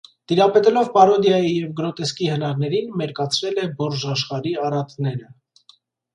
Տիրապետելով պարոդիայի և գրոտեսկի հնարներին՝ մերկացրել է բուրժաշխարհի արատները։